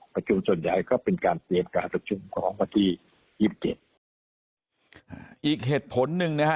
ประชุมส่วนใหญ่ก็เป็นการเปลี่ยนการประชุมของวันที่ยี่สิบเจ็ดอ่าอีกเหตุผลหนึ่งนะฮะ